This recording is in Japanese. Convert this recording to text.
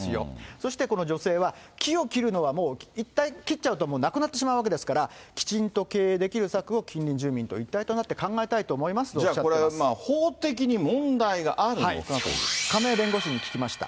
そしてこの女性は、木を切るのはもういったん切っちゃうともうなくなってしまうわけですから、きちんと経営できる策を近隣住民と一体となって考えたいと思いまじゃあこれ、法的に問題があ亀井弁護士に聞きました。